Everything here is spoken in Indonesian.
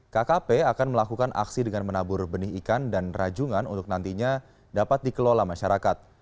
kkp akan melakukan aksi dengan menabur benih ikan dan rajungan untuk nantinya dapat dikelola masyarakat